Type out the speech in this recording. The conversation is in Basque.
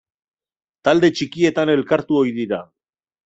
Talde txikietan elkartu ohi dira.